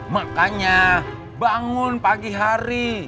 makanya bangun pagi hari